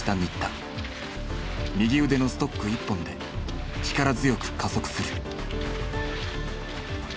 右腕のストック１本で力強く加速する。